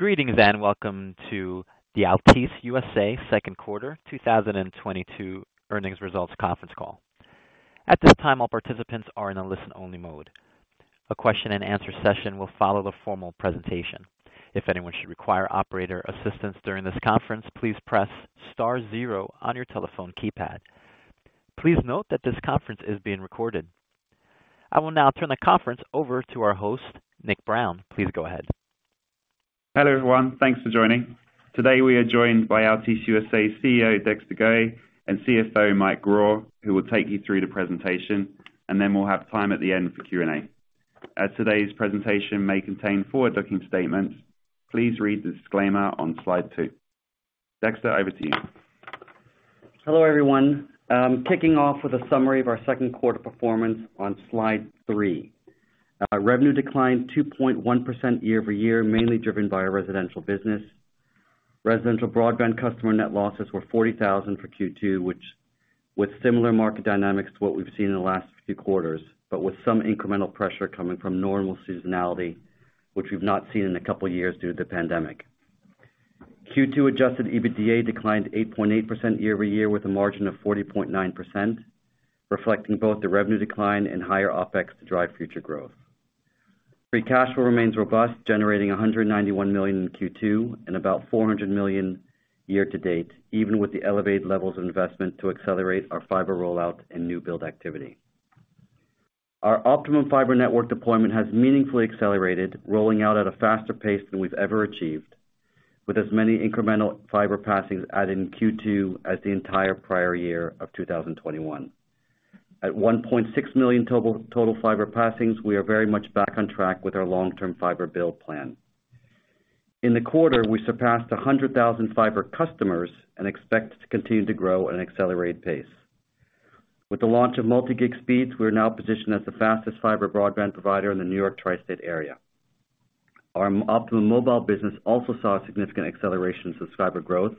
Greetings, and welcome to the Altice USA second quarter 2022 earnings results conference call. At this time, all participants are in a listen-only mode. A question and answer session will follow the formal presentation. If anyone should require operator assistance during this conference, please press star zero on your telephone keypad. Please note that this conference is being recorded. I will now turn the conference over to our host, Nick Brown. Please go ahead. Hello, everyone. Thanks for joining. Today, we are joined by Altice USA CEO, Dexter Goei, and CFO, Michael Grau, who will take you through the presentation, and then we'll have time at the end for Q&A. As today's presentation may contain forward-looking statements, please read the disclaimer on slide two. Dexter, over to you. Hello, everyone. Kicking off with a summary of our second quarter performance on slide three. Our revenue declined 2.1% year-over-year, mainly driven by our residential business. Residential broadband customer net losses were 40,000 for Q2, which, with similar market dynamics to what we've seen in the last few quarters, but with some incremental pressure coming from normal seasonality, which we've not seen in a couple of years due to the pandemic. Q2 adjusted EBITDA declined 8.8% year-over-year with a margin of 40.9%, reflecting both the revenue decline and higher OPEX to drive future growth. Free cash flow remains robust, generating $191 million in Q2 and about $400 million year to date, even with the elevated levels of investment to accelerate our fiber rollout and new build activity. Our Optimum fiber network deployment has meaningfully accelerated, rolling out at a faster pace than we've ever achieved, with as many incremental fiber passings added in Q2 as the entire prior year of 2021. At 1.6 million total fiber passings, we are very much back on track with our long-term fiber build plan. In the quarter, we surpassed 100,000 fiber customers and expect to continue to grow at an accelerated pace. With the launch of multi-gig speeds, we are now positioned as the fastest fiber broadband provider in the New York Tri-State area. Our Optimum Mobile business also saw a significant acceleration in subscriber growth,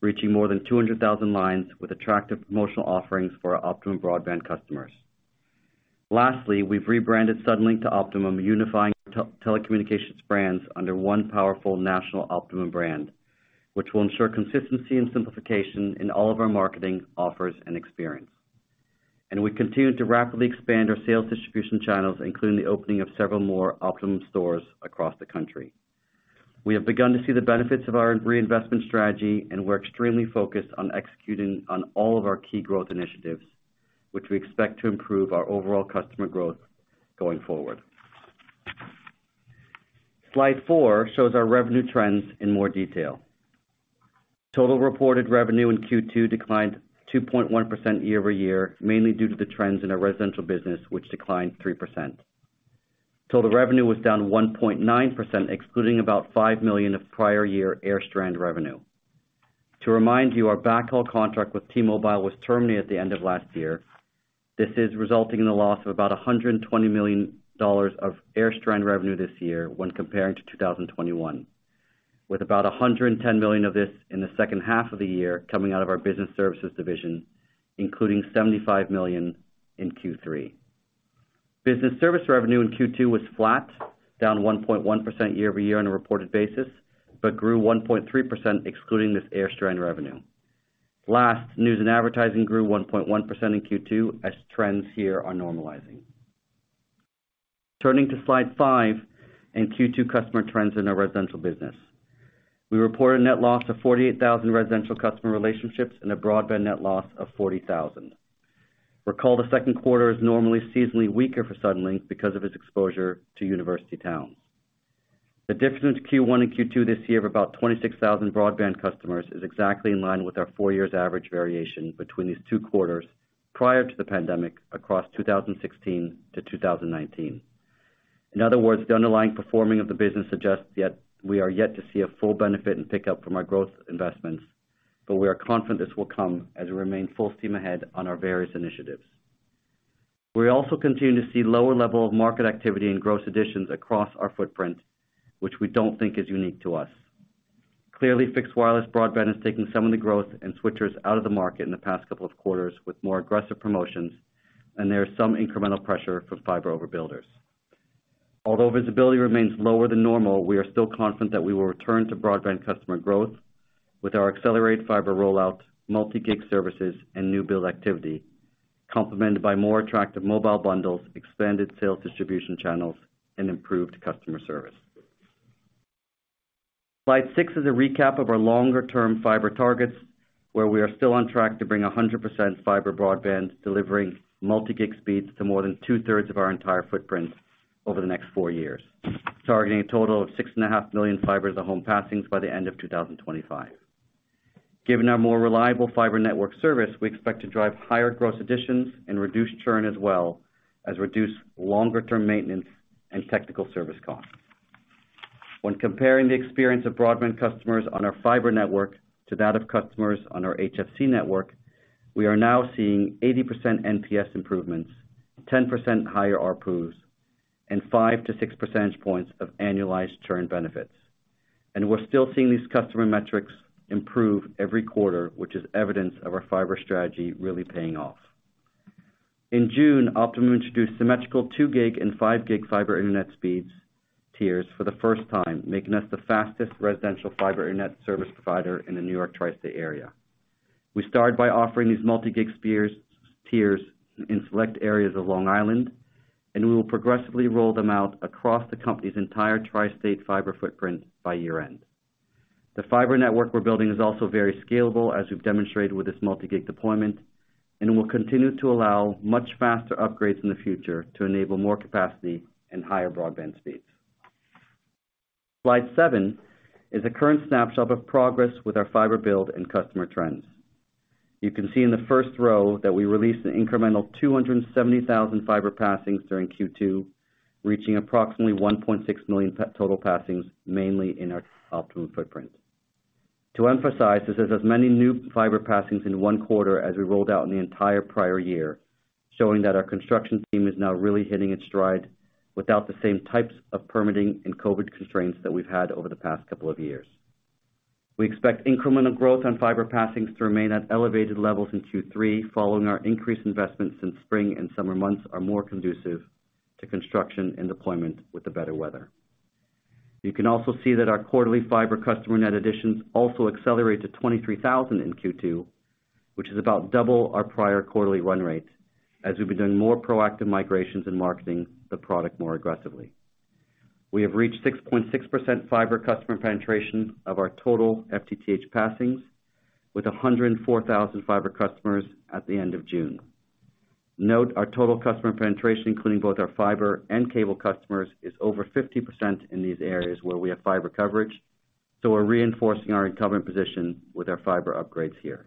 reaching more than 200,000 lines with attractive promotional offerings for our Optimum broadband customers. Lastly, we've rebranded Suddenlink to Optimum, unifying telecommunications brands under one powerful national Optimum brand, which will ensure consistency and simplification in all of our marketing offers and experience. We continue to rapidly expand our sales distribution channels, including the opening of several more Optimum stores across the country. We have begun to see the benefits of our reinvestment strategy, and we're extremely focused on executing on all of our key growth initiatives, which we expect to improve our overall customer growth going forward. Slide four shows our revenue trends in more detail. Total reported revenue in Q2 declined 2.1% year-over-year, mainly due to the trends in our residential business, which declined 3%. Total revenue was down 1.9%, excluding about $5 million of prior year AirStrand revenue. To remind you, our backhaul contract with T-Mobile was terminated at the end of last year. This is resulting in a loss of about $120 million of AirStrand revenue this year when comparing to 2021, with about $110 million of this in the second half of the year coming out of our business services division, including $75 million in Q3. Business service revenue in Q2 was flat, down 1.1% year over year on a reported basis, but grew 1.3% excluding this AirStrand revenue. Last, news and advertising grew 1.1% in Q2 as trends here are normalizing. Turning to slide 5 and Q2 customer trends in our residential business. We reported net loss of 48,000 residential customer relationships and a broadband net loss of 40,000. Recall the second quarter is normally seasonally weaker for Suddenlink because of its exposure to university towns. The difference between Q1 and Q2 this year of about 26,000 broadband customers is exactly in line with our four-year average variation between these two quarters prior to the pandemic across 2016 to 2019. In other words, the underlying performance of the business suggests we are yet to see a full benefit and pickup from our growth investments, but we are confident this will come as we remain full steam ahead on our various initiatives. We also continue to see lower level of market activity and gross additions across our footprint, which we don't think is unique to us. Clearly, fixed wireless broadband is taking some of the growth and switchers out of the market in the past couple of quarters with more aggressive promotions, and there is some incremental pressure from fiber over builders. Although visibility remains lower than normal, we are still confident that we will return to broadband customer growth with our accelerated fiber rollout, multi-gig services, and new build activity, complemented by more attractive mobile bundles, expanded sales distribution channels, and improved customer service. Slide six is a recap of our longer-term fiber targets, where we are still on track to bring 100% fiber broadband delivering multi-gig speeds to more than two-thirds of our entire footprint over the next four years, targeting a total of 6.5 million fiber to home passings by the end of 2025. Given our more reliable fiber network service, we expect to drive higher gross additions and reduce churn, as well as reduce longer term maintenance and technical service costs. When comparing the experience of broadband customers on our fiber network to that of customers on our HFC network, we are now seeing 80% NPS improvements, 10% higher ARPUs, and 5-6 percentage points of annualized churn benefits. We're still seeing these customer metrics improve every quarter, which is evidence of our fiber strategy really paying off. In June, Optimum introduced symmetrical 2 GB and 5 GB fiber internet speeds tiers for the first time, making us the fastest residential fiber internet service provider in the New York Tri-State area. We started by offering these multi-gig tiers in select areas of Long Island, and we will progressively roll them out across the company's entire Tri-State fiber footprint by year-end. The fiber network we're building is also very scalable, as we've demonstrated with this multi-gig deployment, and will continue to allow much faster upgrades in the future to enable more capacity and higher broadband speeds. Slide seven is a current snapshot of progress with our fiber build and customer trends. You can see in the first row that we released an incremental 270,000 fiber passings during Q2, reaching approximately 1.6 million total passings, mainly in our Optimum footprint. To emphasize, this is as many new fiber passings in one quarter as we rolled out in the entire prior year, showing that our construction team is now really hitting its stride without the same types of permitting and COVID constraints that we've had over the past couple of years. We expect incremental growth on fiber passings to remain at elevated levels in Q3 following our increased investments since spring and summer months are more conducive to construction and deployment with the better weather. You can also see that our quarterly fiber customer net additions also accelerate to 23,000 in Q2, which is about double our prior quarterly run rate, as we've been doing more proactive migrations and marketing the product more aggressively. We have reached 6.6% fiber customer penetration of our total FTTH passings, with 104,000 fiber customers at the end of June. Note, our total customer penetration, including both our fiber and cable customers, is over 50% in these areas where we have fiber coverage, so we're reinforcing our incumbent position with our fiber upgrades here.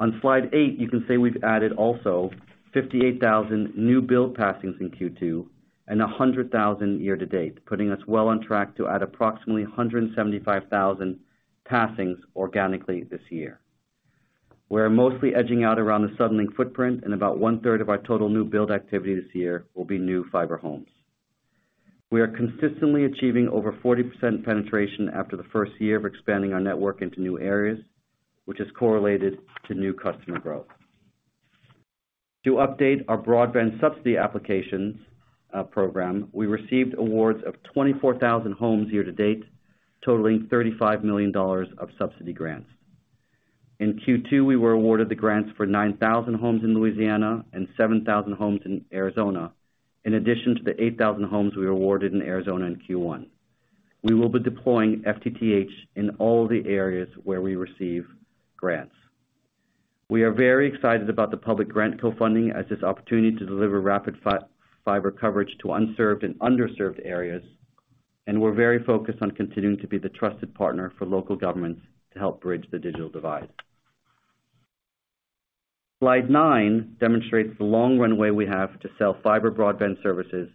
On slide eight, you can see we've added also 58,000 new build passings in Q2 and 100,000 year to date, putting us well on track to add approximately 175,000 passings organically this year. We're mostly edging out around the Suddenlink footprint, and about one-third of our total new build activity this year will be new fiber homes. We are consistently achieving over 40% penetration after the first year of expanding our network into new areas, which is correlated to new customer growth. To update our broadband subsidy applications program, we received awards of 24,000 homes year to date, totaling $35 million of subsidy grants. In Q2, we were awarded the grants for 9,000 homes in Louisiana and 7,000 homes in Arizona, in addition to the 8,000 homes we were awarded in Arizona in Q1. We will be deploying FTTH in all the areas where we receive grants. We are very excited about the public grant co-funding as this opportunity to deliver rapid fiber coverage to unserved and underserved areas, and we're very focused on continuing to be the trusted partner for local governments to help bridge the digital divide. Slide nine demonstrates the long runway we have to sell fiber broadband services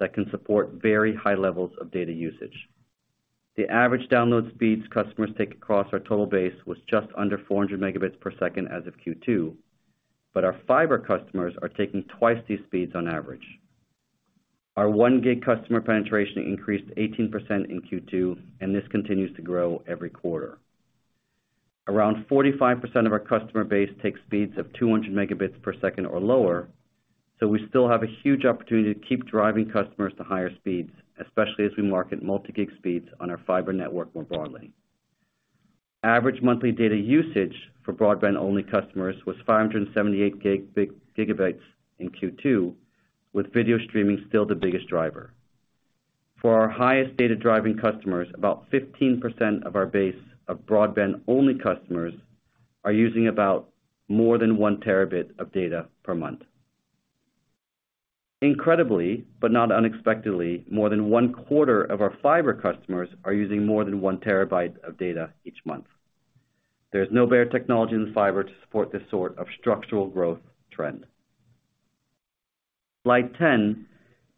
that can support very high levels of data usage. The average download speeds customers take across our total base was just under 400 Mbps as of Q2, but our fiber customers are taking twice these speeds on average. Our 1 GB customer penetration increased 18% in Q2, and this continues to grow every quarter. Around 45% of our customer base takes speeds of 200 Mbps or lower, so we still have a huge opportunity to keep driving customers to higher speeds, especially as we market multi-gig speeds on our fiber network more broadly. Average monthly data usage for broadband-only customers was 578 GB in Q2, with video streaming still the biggest driver. For our highest data-driven customers, about 15% of our base of broadband-only customers are using about more than 1 Tb of data per month. Incredibly, but not unexpectedly, more than one-quarter of our fiber customers are using more than 1 TB of data each month. There's no better technology than fiber to support this sort of structural growth trend. Slide 10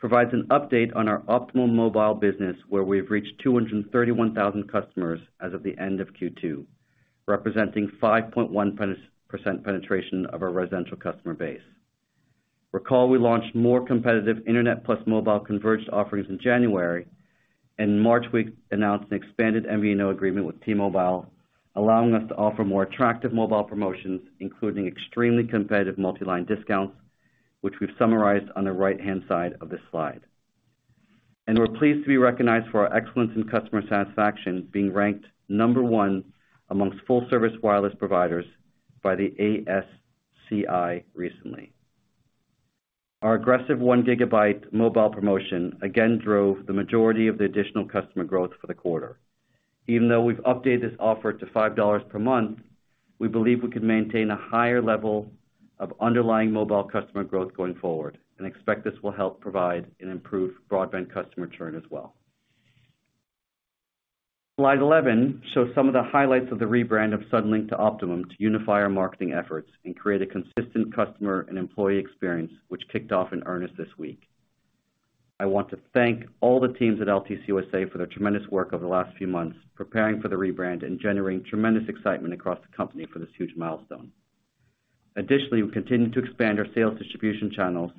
provides an update on our Optimum Mobile business, where we've reached 231,000 customers as of the end of Q2, representing 5.1% penetration of our residential customer base. Recall we launched more competitive internet plus mobile converged offerings in January. In March, we announced an expanded MVNO agreement with T-Mobile, allowing us to offer more attractive mobile promotions, including extremely competitive multi-line discounts, which we've summarized on the right-hand side of this slide. We're pleased to be recognized for our excellence in customer satisfaction, being ranked number 1 amongst full-service wireless providers by the ACSI recently. Our aggressive 1 GB mobile promotion again drove the majority of the additional customer growth for the quarter. Even though we've updated this offer to $5 per month, we believe we can maintain a higher level of underlying mobile customer growth going forward and expect this will help provide an improved broadband customer churn as well. Slide 11 shows some of the highlights of the rebrand of Suddenlink to Optimum to unify our marketing efforts and create a consistent customer and employee experience, which kicked off in earnest this week. I want to thank all the teams at Altice USA for their tremendous work over the last few months preparing for the rebrand and generating tremendous excitement across the company for this huge milestone. Additionally, we continue to expand our sales distribution channels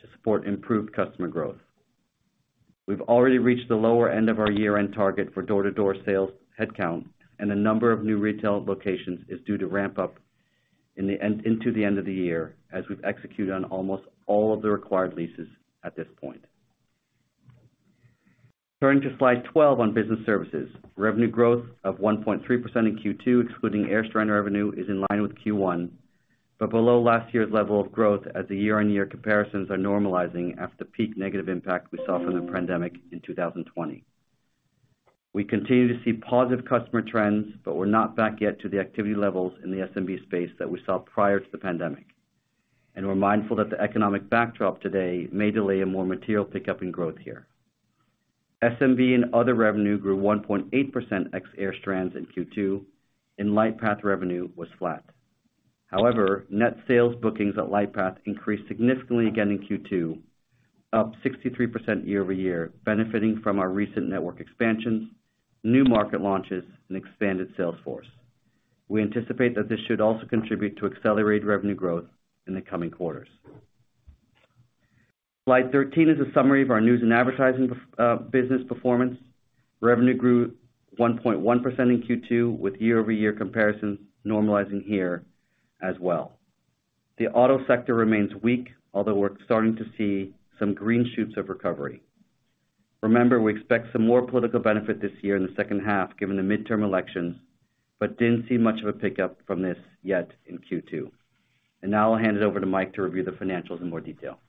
to support improved customer growth. We've already reached the lower end of our year-end target for door-to-door sales headcount, and the number of new retail locations is due to ramp up into the end of the year as we've executed on almost all of the required leases at this point. Turning to slide 12 on business services. Revenue growth of 1.3% in Q2, excluding AirStrand revenue, is in line with Q1, but below last year's level of growth as the year-on-year comparisons are normalizing after peak negative impact we saw from the pandemic in 2020. We continue to see positive customer trends, but we're not back yet to the activity levels in the SMB space that we saw prior to the pandemic. We're mindful that the economic backdrop today may delay a more material pickup in growth here. SMB and other revenue grew 1.8% ex AirStrand in Q2 and Lightpath revenue was flat. However, net sales bookings at Lightpath increased significantly again in Q2, up 63% year-over-year, benefiting from our recent network expansions, new market launches, and expanded sales force. We anticipate that this should also contribute to accelerated revenue growth in the coming quarters. Slide 13 is a summary of our news and advertising business performance. Revenue grew 1.1% in Q2 with year-over-year comparisons normalizing here as well. The auto sector remains weak, although we're starting to see some green shoots of recovery. Remember, we expect some more political benefit this year in the second half, given the midterm elections, but didn't see much of a pickup from this yet in Q2. Now I'll hand it over to Mike to review the financials in more detail.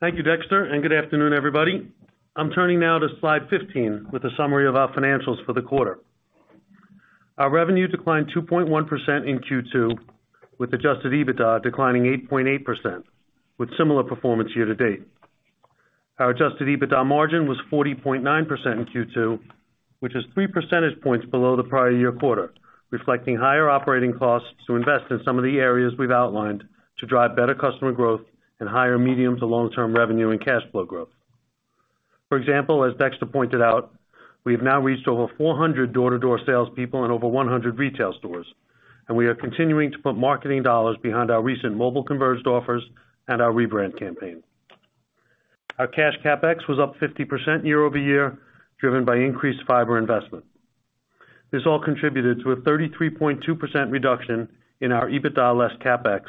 Thank you, Dexter, and good afternoon, everybody. I'm turning now to slide 15 with a summary of our financials for the quarter. Our revenue declined 2.1% in Q2, with adjusted EBITDA declining 8.8%, with similar performance year-to-date. Our adjusted EBITDA margin was 40.9% in Q2, which is 3 percentage points below the prior year quarter, reflecting higher operating costs to invest in some of the areas we've outlined to drive better customer growth and higher medium to long-term revenue and cash flow growth. For example, as Dexter pointed out, we have now reached over 400 door-to-door salespeople and over 100 retail stores, and we are continuing to put marketing dollars behind our recent mobile converged offers and our rebrand campaign. Our cash CapEx was up 50% year-over-year, driven by increased fiber investment. This all contributed to a 33.2% reduction in our EBITDA less CapEx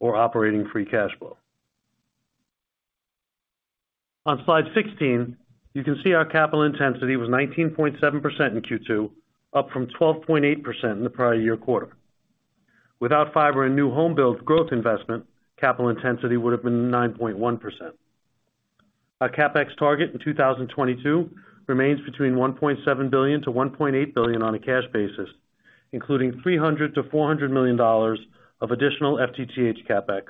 or operating free cash flow. On slide 16, you can see our capital intensity was 19.7% in Q2, up from 12.8% in the prior year quarter. Without fiber and new home build growth investment, capital intensity would've been 9.1%. Our CapEx target in 2022 remains between $1.7 billion-$1.8 billion on a cash basis, including $300 million-$400 million of additional FTTH CapEx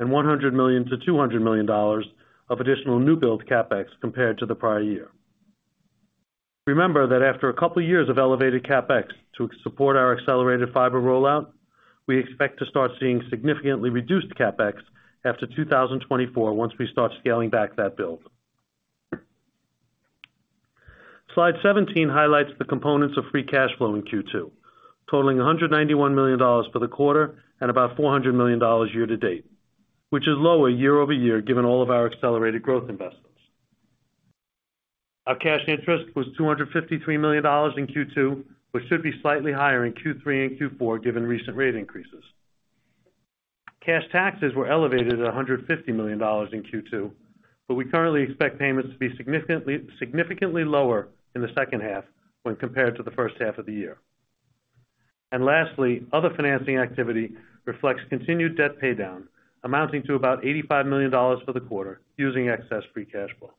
and $100 million-$200 million of additional new build CapEx compared to the prior year. Remember that after a couple years of elevated CapEx to support our accelerated fiber rollout, we expect to start seeing significantly reduced CapEx after 2024 once we start scaling back that build. Slide 17 highlights the components of free cash flow in Q2, totaling $191 million for the quarter and about $400 million year to date, which is lower year-over-year, given all of our accelerated growth investments. Our cash interest was $253 million in Q2, which should be slightly higher in Q3 and Q4 given recent rate increases. Cash taxes were elevated at $150 million in Q2, but we currently expect payments to be significantly lower in the second half when compared to the first half of the year. Lastly, other financing activity reflects continued debt paydown amounting to about $85 million for the quarter using excess free cash flow.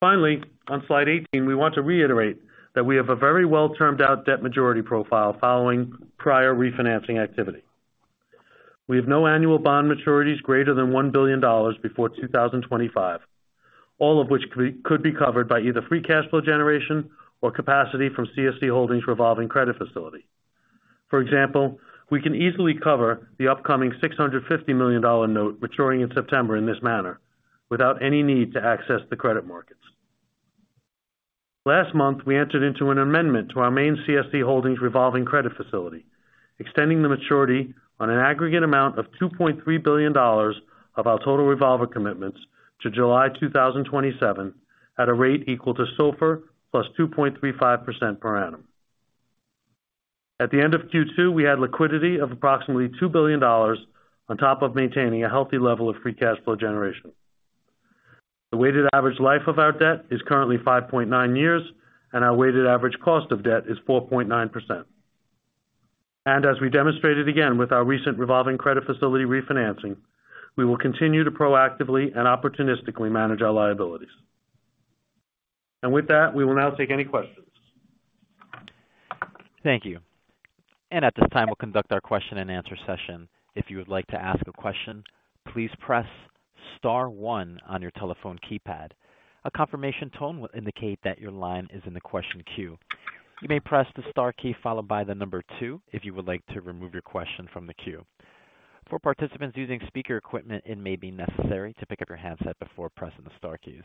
Finally, on slide 18, we want to reiterate that we have a very well-termed-out debt maturity profile following prior refinancing activity. We have no annual bond maturities greater than $1 billion before 2025, all of which could be covered by either free cash flow generation or capacity from CSC Holdings revolving credit facility. For example, we can easily cover the upcoming $650 million note maturing in September in this manner without any need to access the credit markets. Last month, we entered into an amendment to our main CSC Holdings revolving credit facility, extending the maturity on an aggregate amount of $2.3 billion of our total revolver commitments to July 2027 at a rate equal to SOFR plus 2.35% per annum. At the end of Q2, we had liquidity of approximately $2 billion on top of maintaining a healthy level of free cash flow generation. The weighted average life of our debt is currently 5.9 years, and our weighted average cost of debt is 4.9%. As we demonstrated again with our recent revolving credit facility refinancing, we will continue to proactively and opportunistically manage our liabilities. With that, we will now take any questions. Thank you. At this time, we'll conduct our question and answer session. If you would like to ask a question, please press star one on your telephone keypad. A confirmation tone will indicate that your line is in the question queue. You may press the star key followed by the number two if you would like to remove your question from the queue. For participants using speaker equipment, it may be necessary to pick up your handset before pressing the star keys.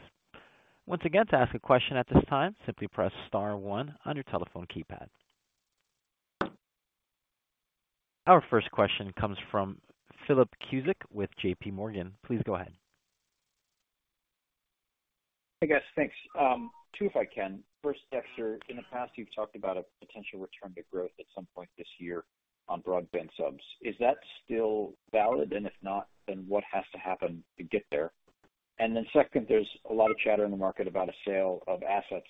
Once again, to ask a question at this time, simply press star one on your telephone keypad. Our first question comes from Philip Cusick with JPMorgan. Please go ahead. Hey, guys. Thanks. Two, if I can. First, Dexter, in the past, you've talked about a potential return to growth at some point this year on broadband subs. Is that still valid? If not, then what has to happen to get there? Second, there's a lot of chatter in the market about a sale of assets.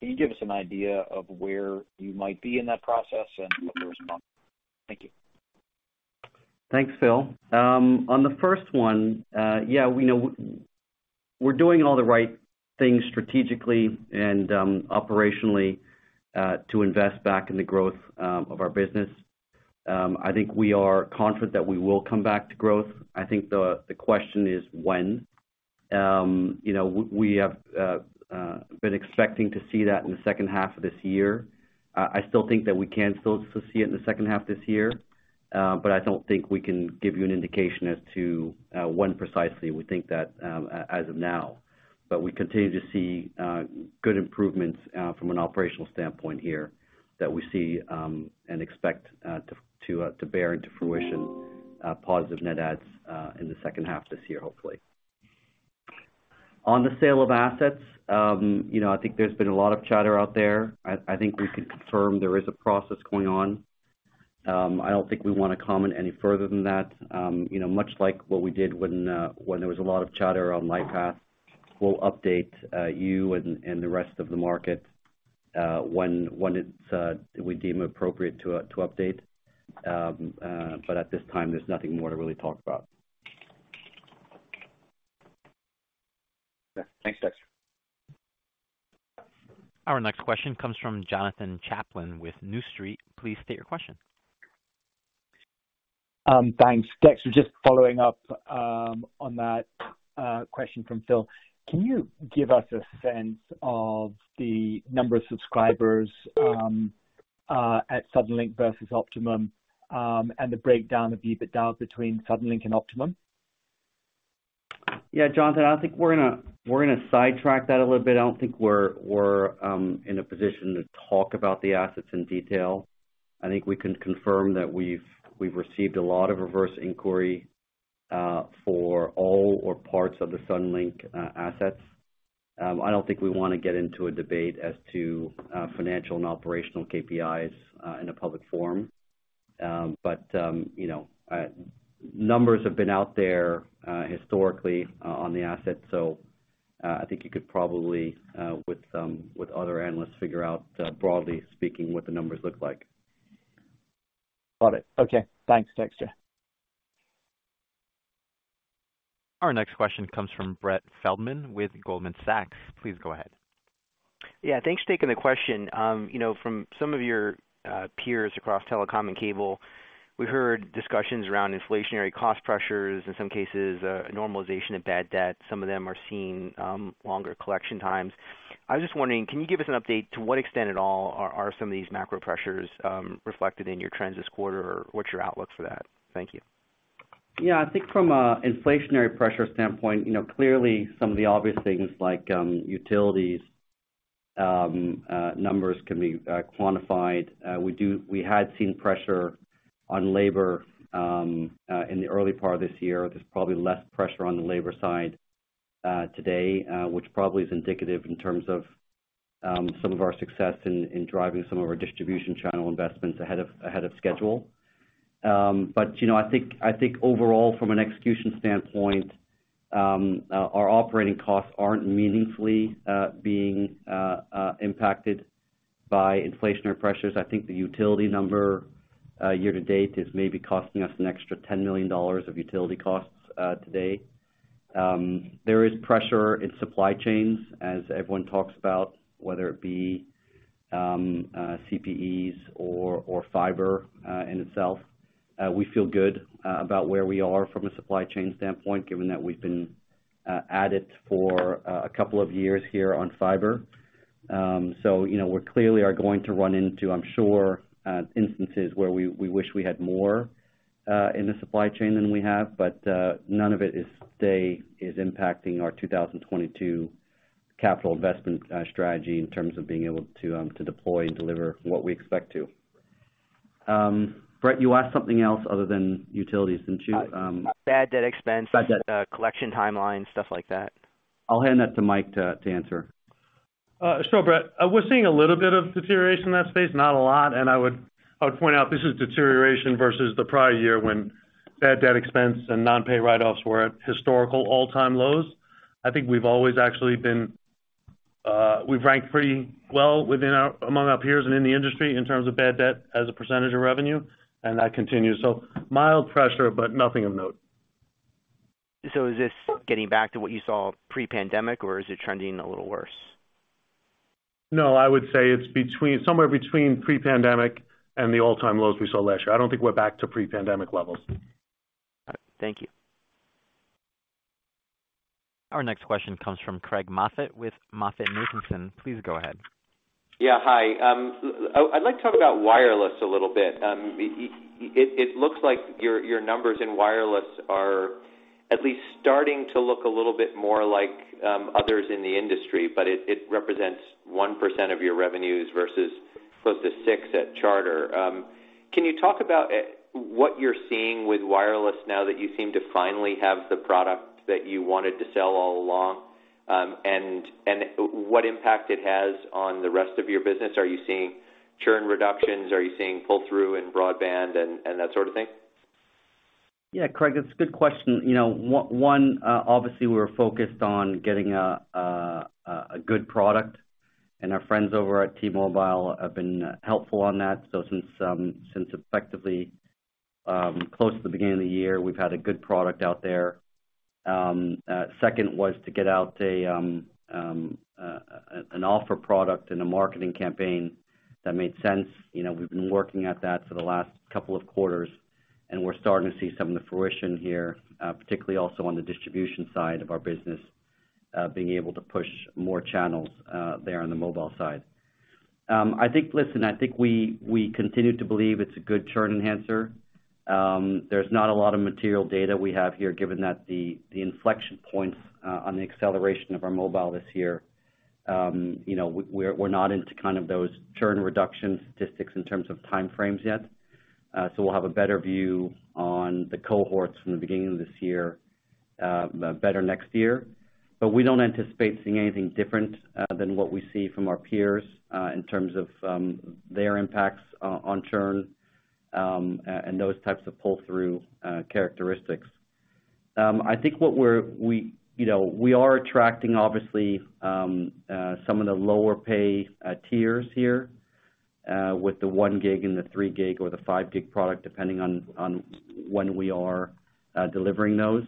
Can you give us an idea of where you might be in that process and what the response? Thank you. Thanks, Phil. On the first one, yeah, we know we're doing all the right things strategically and operationally to invest back in the growth of our business. I think we are confident that we will come back to growth. I think the question is when. You know, we have been expecting to see that in the second half of this year. I still think that we can still see it in the second half this year, but I don't think we can give you an indication as to when precisely we think that as of now. We continue to see good improvements from an operational standpoint here that we see and expect to bear into fruition positive net adds in the second half this year, hopefully. On the sale of assets, you know, I think there's been a lot of chatter out there. I think we can confirm there is a process going on. I don't think we wanna comment any further than that. You know, much like what we did when there was a lot of chatter on Lightpath, we'll update you and the rest of the market when we deem appropriate to update. At this time, there's nothing more to really talk about. Yeah. Thanks, Dexter. Our next question comes from Jonathan Chaplin with New Street Research. Please state your question. Thanks. Dexter, just following up on that question from Phil. Can you give us a sense of the number of subscribers at Suddenlink versus Optimum, and the breakdown of EBITDA between Suddenlink and Optimum? Yeah, Jonathan, I think we're gonna sidetrack that a little bit. I don't think we're in a position to talk about the assets in detail. I think we can confirm that we've received a lot of reverse inquiry for all or parts of the Suddenlink assets. I don't think we wanna get into a debate as to financial and operational KPIs in a public forum. You know, numbers have been out there historically on the asset, so I think you could probably with other analysts figure out, broadly speaking, what the numbers look like. Got it. Okay. Thanks, Dexter. Our next question comes from Brett Feldman with Goldman Sachs. Please go ahead. Yeah, thanks for taking the question. You know, from some of your peers across telecom and cable, we heard discussions around inflationary cost pressures, in some cases, a normalization of bad debt. Some of them are seeing longer collection times. I was just wondering, can you give us an update to what extent at all are some of these macro pressures reflected in your trends this quarter, or what's your outlook for that? Thank you. Yeah. I think from a inflationary pressure standpoint, you know, clearly some of the obvious things like utilities numbers can be quantified. We had seen pressure on labor in the early part of this year. There's probably less pressure on the labor side today, which probably is indicative in terms of some of our success in driving some of our distribution channel investments ahead of schedule. You know, I think overall, from an execution standpoint, our operating costs aren't meaningfully being impacted by inflationary pressures. I think the utility number year to date is maybe costing us an extra $10 million of utility costs today. There is pressure in supply chains as everyone talks about, whether it be CPEs or fiber in itself. We feel good about where we are from a supply chain standpoint, given that we've been at it for a couple of years here on fiber. You know, we clearly are going to run into, I'm sure, instances where we wish we had more in the supply chain than we have, but none of it is today impacting our 2022 capital investment strategy in terms of being able to deploy and deliver what we expect to. Brett, you asked something else other than utilities, didn't you? Bad debt expense. Bad debt collection timeline, stuff like that. I'll hand that to Mike to answer. Sure, Brett. We're seeing a little bit of deterioration in that space, not a lot. I would point out this is deterioration versus the prior year when bad debt expense and non-pay write-offs were at historical all-time lows. I think we've always actually been, we've ranked pretty well among our peers and in the industry in terms of bad debt as a percentage of revenue, and that continues. Mild pressure, but nothing of note. Is this getting back to what you saw pre-pandemic, or is it trending a little worse? No, I would say it's somewhere between pre-pandemic and the all-time lows we saw last year. I don't think we're back to pre-pandemic levels. All right. Thank you. Our next question comes from Craig Moffett with MoffettNathanson. Please go ahead. Yeah. Hi. I'd like to talk about wireless a little bit. It looks like your numbers in wireless are at least starting to look a little bit more like others in the industry, but it represents 1% of your revenues versus close to 6% at Charter. Can you talk about what you're seeing with wireless now that you seem to finally have the product that you wanted to sell all along, and what impact it has on the rest of your business? Are you seeing churn reductions? Are you seeing pull-through in broadband and that sort of thing? Yeah, Craig, that's a good question. You know, one, obviously we're focused on getting a good product, and our friends over at T-Mobile have been helpful on that. Since effectively close to the beginning of the year, we've had a good product out there. Second was to get out an offering product and a marketing campaign that made sense. You know, we've been working at that for the last couple of quarters, and we're starting to see some of the fruition here, particularly also on the distribution side of our business, being able to push more channels, there on the mobile side. I think we continue to believe it's a good churn enhancer. There's not a lot of material data we have here, given that the inflection points on the acceleration of our mobile this year. You know, we're not into kind of those churn reduction statistics in terms of time frames yet. So we'll have a better view on the cohorts from the beginning of this year, better next year. But we don't anticipate seeing anything different than what we see from our peers in terms of their impacts on churn and those types of pull-through characteristics. I think, you know, we are attracting, obviously, some of the lower price tiers here with the 1 GB and the 3 GB or the 5 GB product, depending on when we are delivering those.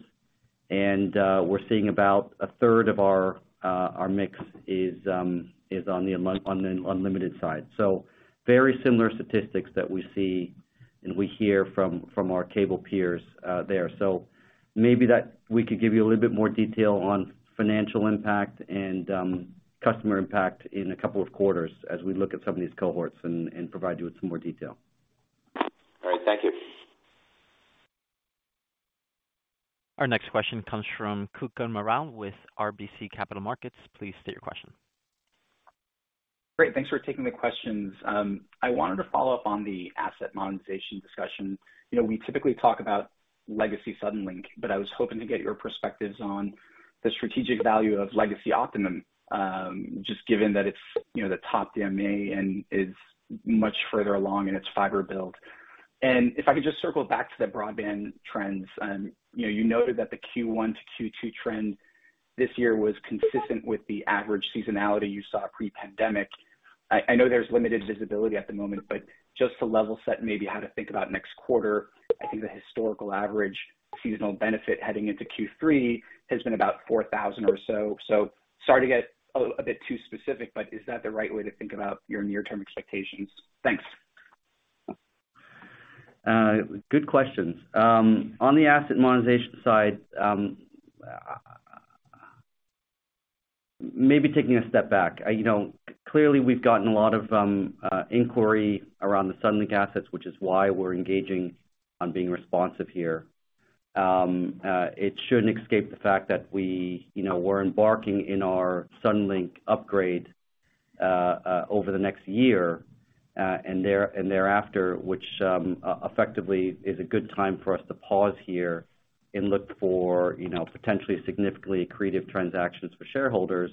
We're seeing about a third of our mix is on the unlimited side. Very similar statistics that we see and we hear from our cable peers there. Maybe that we could give you a little bit more detail on financial impact and customer impact in a couple of quarters as we look at some of these cohorts and provide you with some more detail. All right. Thank you. Our next question comes from Kutgun Maral with RBC Capital Markets. Please state your question. Great. Thanks for taking the questions. I wanted to follow up on the asset monetization discussion. You know, we typically talk about legacy Suddenlink, but I was hoping to get your perspectives on the strategic value of legacy Optimum, just given that it's, you know, the top DMA and is much further along in its fiber build. If I could just circle back to the broadband trends, you know, you noted that the Q1 to Q2 trend this year was consistent with the average seasonality you saw pre-pandemic. I know there's limited visibility at the moment, but just to level set maybe how to think about next quarter, I think the historical average seasonal benefit heading into Q3 has been about 4,000 or so. Sorry to get a bit too specific, but is that the right way to think about your near-term expectations? Thanks. Good questions. On the asset monetization side, maybe taking a step back. You know, clearly we've gotten a lot of inquiry around the Suddenlink assets, which is why we're engaging on being responsive here. It shouldn't escape the fact that we, you know, we're embarking on our Suddenlink upgrade over the next year and thereafter, which effectively is a good time for us to pause here and look for, you know, potentially significantly accretive transactions for shareholders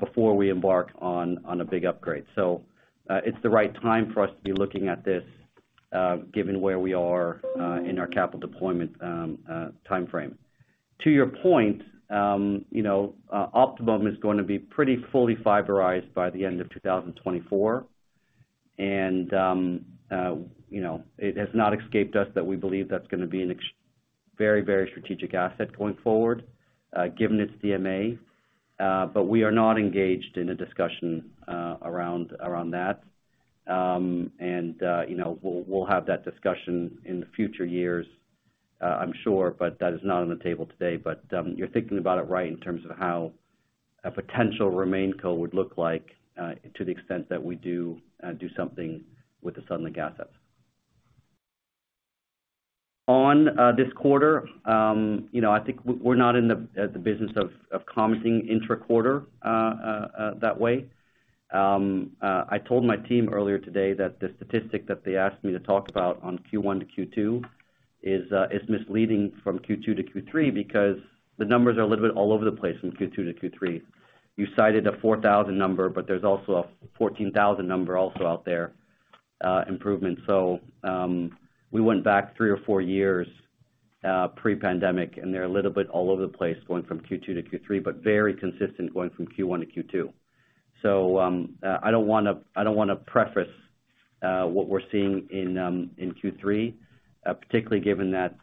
before we embark on a big upgrade. It's the right time for us to be looking at this, given where we are in our capital deployment timeframe. To your point, you know, Optimum is going to be pretty fully fiberized by the end of 2024. you know, it has not escaped us that we believe that's gonna be a very, very strategic asset going forward, given its DMA, but we are not engaged in a discussion around that. you know, we'll have that discussion in the future years, I'm sure, but that is not on the table today. you're thinking about it right in terms of how a potential RemainCo would look like, to the extent that we do something with the Suddenlink assets. On this quarter, you know, I think we're not in the business of commenting intra-quarter that way. I told my team earlier today that the statistic that they asked me to talk about on Q1 to Q2 is misleading from Q2 to Q3 because the numbers are a little bit all over the place from Q2 to Q3. You cited a 4,000 number, but there's also a 14,000 number also out there, improvement. We went back three or four years, pre-pandemic, and they're a little bit all over the place going from Q2 to Q3, but very consistent going from Q1 to Q2. I don't wanna preface what we're seeing in Q3, particularly given that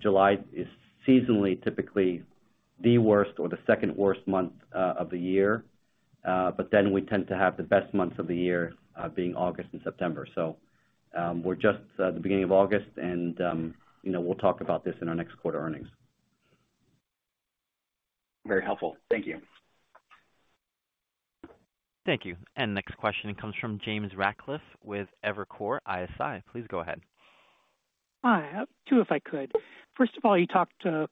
July is seasonally typically the worst or the second worst month of the year. We tend to have the best months of the year being August and September. We're just at the beginning of August and, you know, we'll talk about this in our next quarter earnings. Very helpful. Thank you. Thank you. Next question comes from James Ratcliffe with Evercore ISI. Please go ahead. Hi. Two, if I could. First of all, you talked about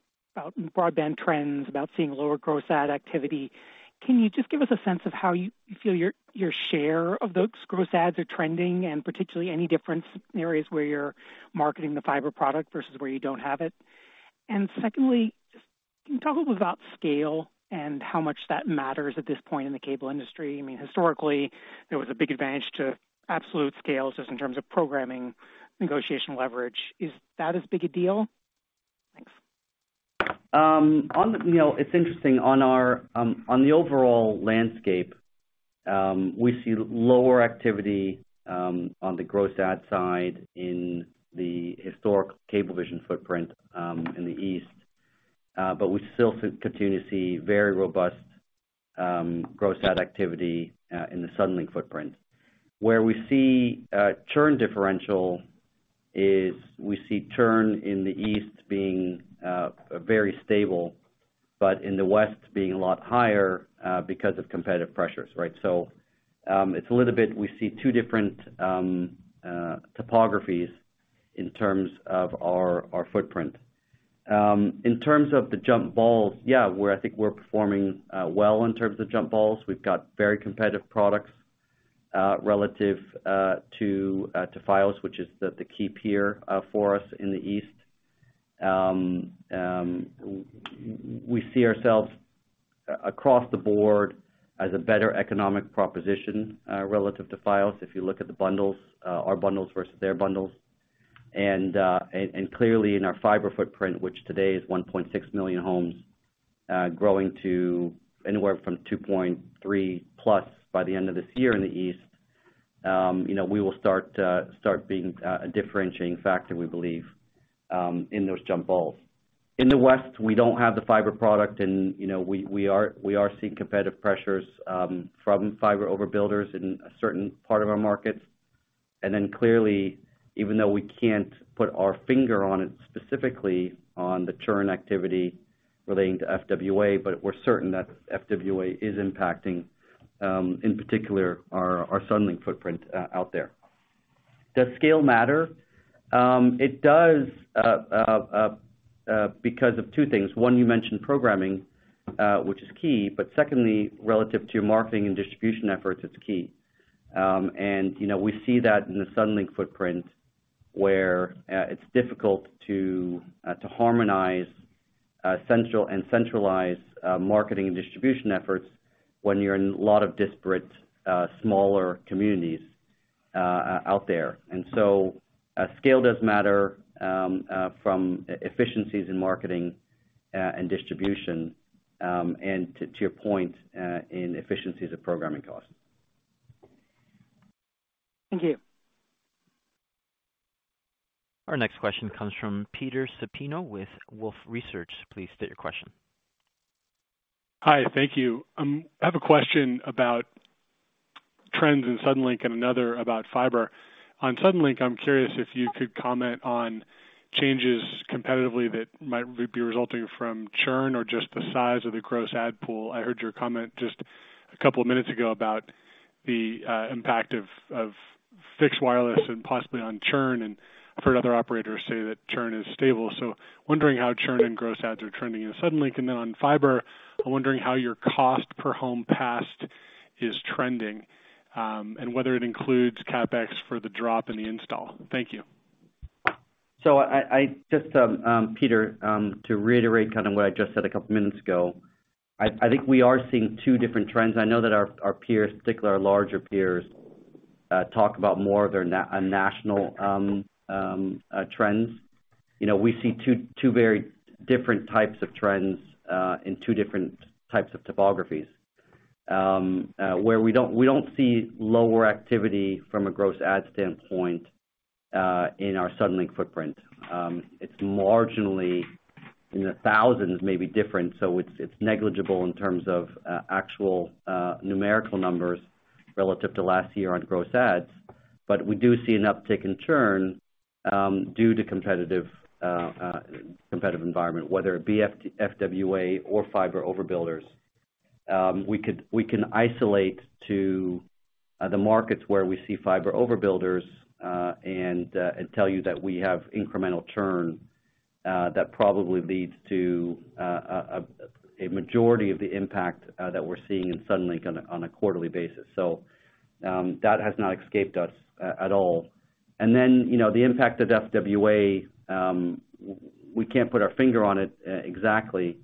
broadband trends, about seeing lower gross add activity. Can you just give us a sense of how you feel your share of those gross adds are trending, and particularly any difference in areas where you're marketing the fiber product versus where you don't have it? Secondly, can you talk a little about scale and how much that matters at this point in the cable industry? I mean, historically, there was a big advantage to absolute scale, just in terms of programming negotiation leverage. Is that as big a deal? Thanks. You know, it's interesting. On our, on the overall landscape, we see lower activity, on the gross add side in the historic Cablevision footprint, in the east. We still continue to see very robust, gross add activity, in the Suddenlink footprint. Where we see, churn differential is we see churn in the east being, very stable, but in the west being a lot higher, because of competitive pressures, right? It's a little bit we see two different, topographies in terms of our footprint. In terms of the jump balls, yeah, we're, I think we're performing, well in terms of jump balls. We've got very competitive products, relative, to Fios, which is the key peer, for us in the east. We see ourselves across the board as a better economic proposition relative to Fios, if you look at the bundles, our bundles versus their bundles. Clearly in our fiber footprint, which today is 1.6 million homes, growing to anywhere from 2.3+ by the end of this year in the east, you know, we will start being a differentiating factor, we believe, in those jump balls. In the west, we don't have the fiber product and, you know, we are seeing competitive pressures from fiber overbuilders in a certain part of our markets. Clearly, even though we can't put our finger on it specifically on the churn activity relating to FWA, but we're certain that FWA is impacting, in particular our Suddenlink footprint, out there. Does scale matter? It does, because of two things. One, you mentioned programming, which is key, but secondly, relative to your marketing and distribution efforts, it's key. You know, we see that in the Suddenlink footprint, where it's difficult to harmonize centralize marketing and distribution efforts when you're in a lot of disparate smaller communities out there. Scale does matter from efficiencies in marketing and distribution, and to your point, inefficiencies of programming costs. Thank you. Our next question comes from Peter Supino with Wolfe Research. Please state your question. Hi, thank you. I have a question about trends in Suddenlink and another about fiber. On Suddenlink, I'm curious if you could comment on changes competitively that might be resulting from churn or just the size of the gross add pool. I heard your comment just a couple of minutes ago about the impact of fixed wireless and possibly on churn, and I've heard other operators say that churn is stable. Wondering how churn and gross adds are trending in Suddenlink. On fiber, I'm wondering how your cost per home passed is trending, and whether it includes CapEx for the drop in the install. Thank you. I just, Peter, to reiterate kind of what I just said a couple of minutes ago, I think we are seeing two different trends. I know that our peers, particularly our larger peers, talk about more of their national trends. You know, we see two very different types of trends in two different types of topographies where we don't see lower activity from a gross add standpoint in our Suddenlink footprint. It's marginally in the thousands, maybe different, so it's negligible in terms of actual numerical numbers relative to last year on gross adds. But we do see an uptick in churn due to competitive environment, whether it be FWA or fiber overbuilders. We can isolate to the markets where we see fiber overbuilders and tell you that we have incremental churn that probably leads to a majority of the impact that we're seeing in Suddenlink on a quarterly basis. That has not escaped us at all. The impact of FWA, we can't put our finger on it exactly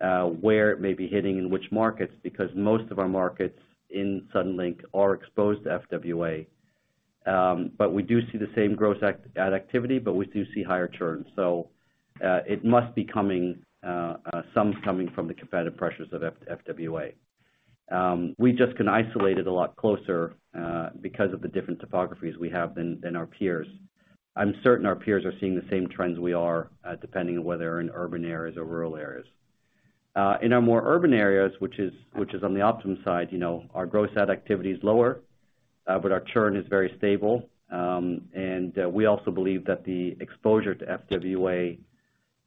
where it may be hitting in which markets, because most of our markets in Suddenlink are exposed to FWA. We do see the same gross add activity, but we do see higher churn. It must be coming some from the competitive pressures of FWA. We just can isolate it a lot closer because of the different topologies we have than our peers. I'm certain our peers are seeing the same trends we are, depending on whether in urban areas or rural areas. In our more urban areas, which is on the Optimum side, you know, our gross add activity is lower, but our churn is very stable. We also believe that the exposure to FWA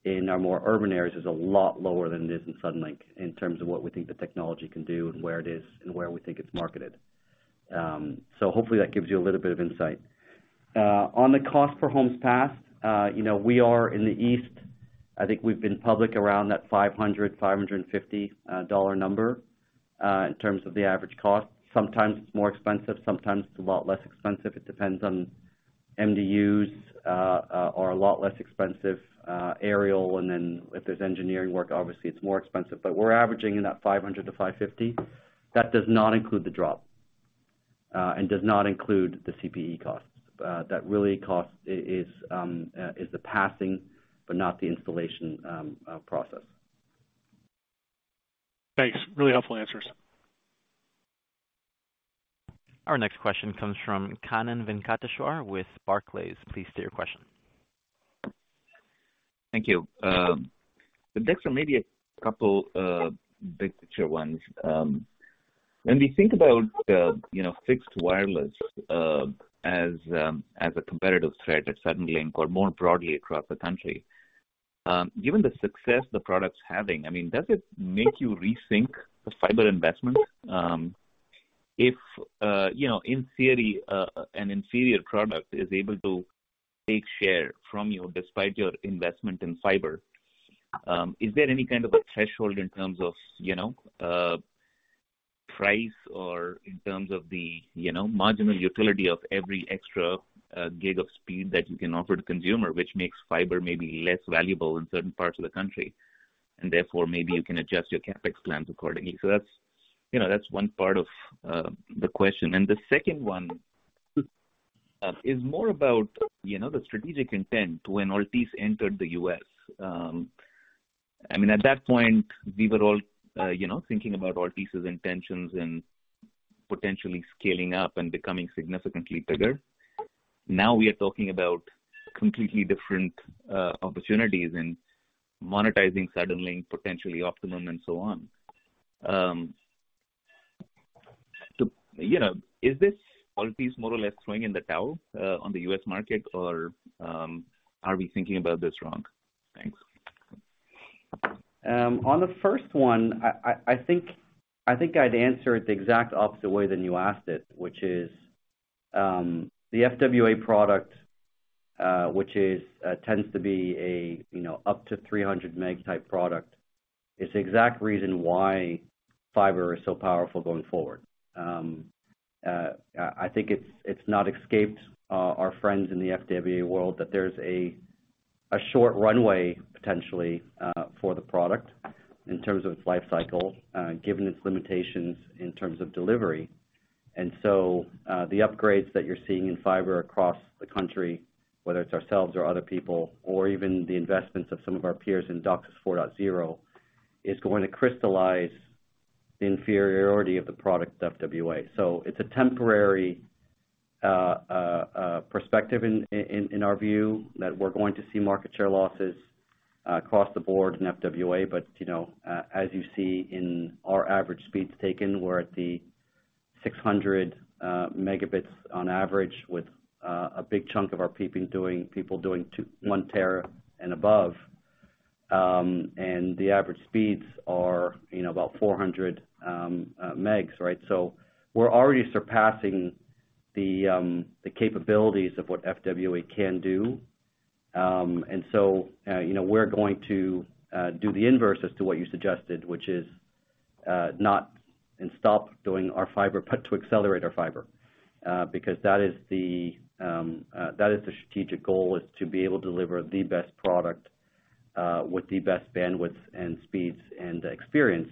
in our more urban areas is a lot lower than it is in Suddenlink in terms of what we think the technology can do and where it is and where we think it's marketed. Hopefully that gives you a little bit of insight. On the cost per homes passed, you know, we are in the east. I think we've been public around that $500-$550 dollar number in terms of the average cost. Sometimes it's more expensive, sometimes it's a lot less expensive. It depends on MDUs, are a lot less expensive, aerial, and then if there's engineering work, obviously it's more expensive. We're averaging in that $500-$550. That does not include the drop, and does not include the CPE costs. That real cost is the passing, but not the installation process. Thanks. Really helpful answers. Our next question comes from Kannan Venkateshwar with Barclays. Please state your question. Thank you. Dexter, maybe a couple, big picture ones. When we think about, you know, fixed wireless, as a competitive threat at Suddenlink or more broadly across the country, given the success the product's having, I mean, does it make you rethink the fiber investment? If, you know, in theory, an inferior product is able to take share from you despite your investment in fiber, is there any kind of a threshold in terms of, you know, price or in terms of the, you know, marginal utility of every extra, gig of speed that you can offer the consumer, which makes fiber maybe less valuable in certain parts of the country, and therefore maybe you can adjust your CapEx plans accordingly? That's, you know, that's one part of the question. The second one is more about, you know, the strategic intent when Altice entered the U.S. I mean, at that point, we were all, you know, thinking about Altice's intentions and potentially scaling up and becoming significantly bigger. Now we are talking about completely different opportunities and monetizing Suddenlink, potentially Optimum and so on. You know, is this Altice more or less throwing in the towel on the U.S. market, or are we thinking about this wrong? Thanks. On the first one, I think I'd answer it the exact opposite way than you asked it, which is, the FWA product, which tends to be a, you know, up to 300 Meg type product, is the exact reason why fiber is so powerful going forward. I think it has not escaped our friends in the FWA world that there's a short runway potentially for the product in terms of its life cycle, given its limitations in terms of delivery. The upgrades that you're seeing in fiber across the country, whether it's ourselves or other people, or even the investments of some of our peers in DOCSIS 4.0, is going to crystallize the inferiority of the product of FWA. It's a temporary perspective, in our view, that we're going to see market share losses across the board in FWA. But you know, as you see in our average speeds taken, we're at the 600 Mb on average, with a big chunk of our people doing 1 tera and above. And the average speeds are, you know, about 400 megs, right? We're already surpassing the capabilities of what FWA can do. You know, we're going to do the inverse as to what you suggested, which is not to stop doing our fiber, but to accelerate our fiber. Because that is the strategic goal, is to be able to deliver the best product, with the best bandwidths and speeds and experience,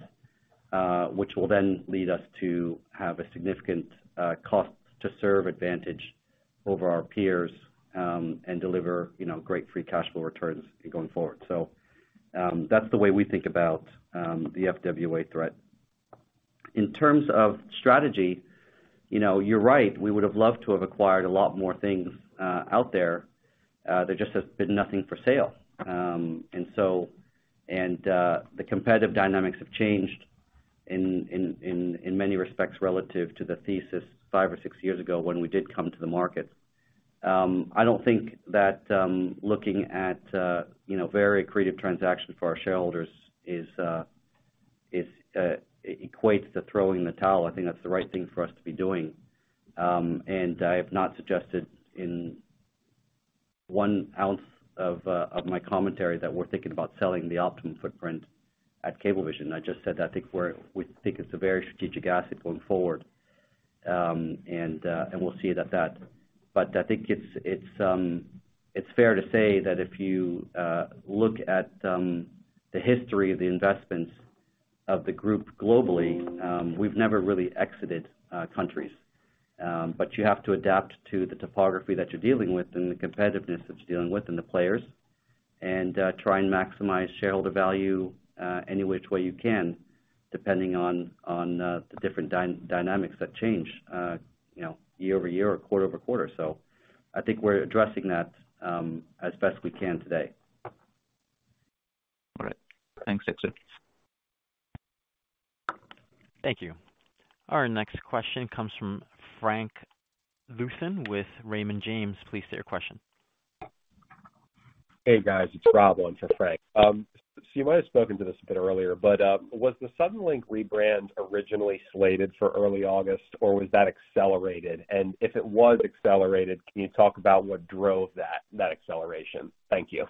which will then lead us to have a significant, cost to serve advantage over our peers, and deliver, you know, great free cash flow returns going forward. That's the way we think about the FWA threat. In terms of strategy, you know, you're right, we would have loved to have acquired a lot more things out there. There just has been nothing for sale. The competitive dynamics have changed in many respects relative to the thesis five or six years ago when we did come to the market. I don't think that looking at you know very creative transactions for our shareholders equates to throwing in the towel. I think that's the right thing for us to be doing. I have not suggested in one ounce of my commentary that we're thinking about selling the Optimum footprint at Cablevision. I just said that I think we think it's a very strategic asset going forward. We'll see it at that. I think it's fair to say that if you look at the history of the investments of the group globally, we've never really exited countries. You have to adapt to the topography that you're dealing with and the competitiveness that you're dealing with and the players, and try and maximize shareholder value, any which way you can, depending on, the different dynamics that change, you know, year-over-year or quarter-over-quarter. I think we're addressing that, as best we can today. All right. Thanks, Dexter. Thank you. Our next question comes from Frank Louthan with Raymond James. Please state your question. Hey, guys. It's Rob, one for Frank. So you might have spoken to this a bit earlier, but was the Suddenlink rebrand originally slated for early August, or was that accelerated? If it was accelerated, can you talk about what drove that acceleration? Thank you.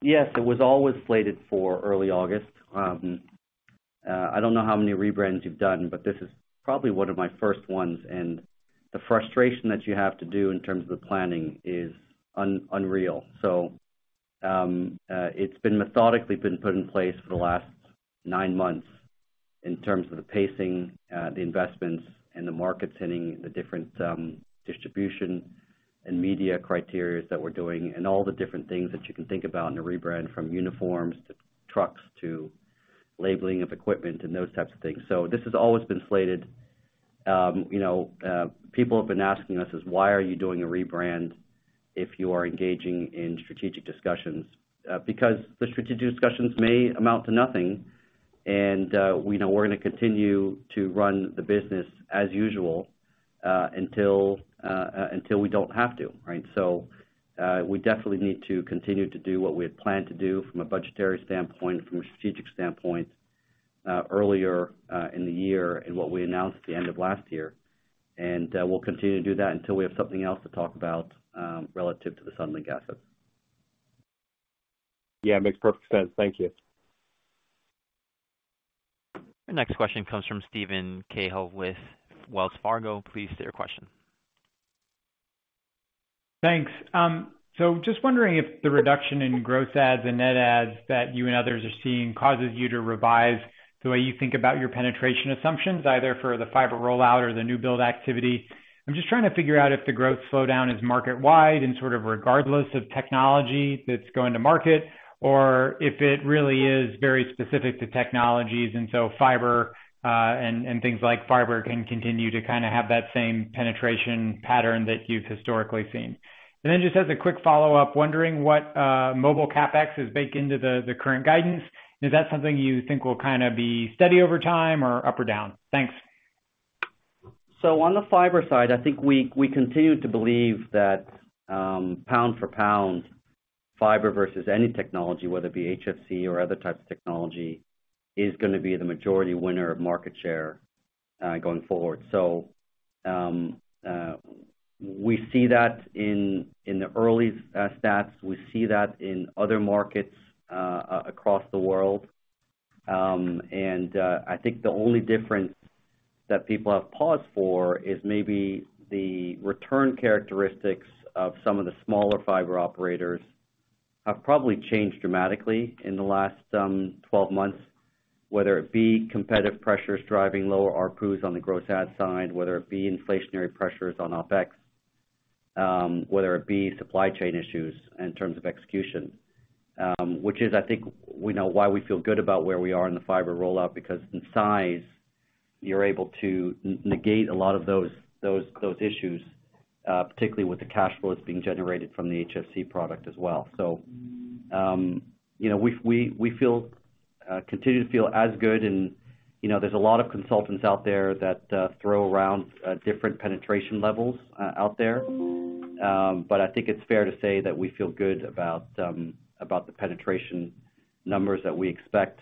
Yes, it was always slated for early August. I don't know how many rebrands you've done, but this is probably one of my first ones, and the frustration that you have to do in terms of the planning is unreal. It's been methodically put in place for the last nine months in terms of the pacing, the investments and the markets hitting the different distribution and media criteria that we're doing, and all the different things that you can think about in a rebrand, from uniforms to trucks to labeling of equipment and those types of things. This has always been slated. You know, people have been asking us why are you doing a rebrand if you are engaging in strategic discussions? Because the strategic discussions may amount to nothing and, you know, we're gonna continue to run the business as usual, until we don't have to, right? We definitely need to continue to do what we had planned to do from a budgetary standpoint, from a strategic standpoint, earlier in the year and what we announced at the end of last year. We'll continue to do that until we have something else to talk about, relative to the Suddenlink asset. Yeah, makes perfect sense. Thank you. The next question comes from Steven Cahall with Wells Fargo. Please state your question. Thanks. So just wondering if the reduction in gross adds and net adds that you and others are seeing causes you to revise the way you think about your penetration assumptions, either for the fiber rollout or the new build activity. I'm just trying to figure out if the growth slowdown is market wide and sort of regardless of technology that's going to market or if it really is very specific to technologies, and so fiber and things like fiber can continue to kinda have that same penetration pattern that you've historically seen. Then just as a quick follow-up, wondering what mobile CapEx is baked into the current guidance. Is that something you think will kinda be steady over time or up or down? Thanks. On the fiber side, I think we continue to believe that pound for pound, fiber versus any technology, whether it be HFC or other types of technology, is gonna be the majority winner of market share going forward. We see that in the early stats. We see that in other markets across the world. I think the only difference that people have paused for is maybe the return characteristics of some of the smaller fiber operators have probably changed dramatically in the last 12 months, whether it be competitive pressures driving lower ARPUs on the gross add side, whether it be inflationary pressures on OpEx, whether it be supply chain issues in terms of execution, which is I think we know why we feel good about where we are in the fiber rollout because in size, you're able to negate a lot of those issues, particularly with the cash flows being generated from the HFC product as well. You know, we continue to feel as good, and you know, there's a lot of consultants out there that throw around different penetration levels out there. I think it's fair to say that we feel good about the penetration numbers that we expect,